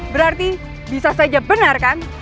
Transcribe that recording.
berarti bisa saja benar kan